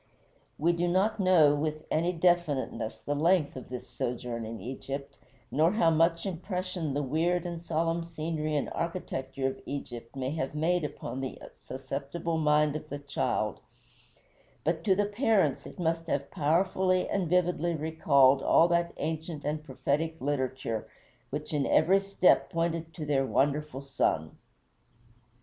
We do not know with any definiteness the length of this sojourn in Egypt, nor how much impression the weird and solemn scenery and architecture of Egypt may have made upon the susceptible mind of the child; but to the parents it must have powerfully and vividly recalled all that ancient and prophetic literature which in every step pointed to their wonderful son.